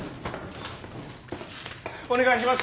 お願いします